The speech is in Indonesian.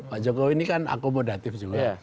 pak jokowi ini kan akomodatif juga